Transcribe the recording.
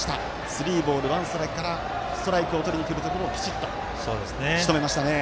スリーボールワンストライクからストライクをとりにくるところをきちっとしとめましたね。